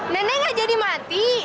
nenek gak jadi mati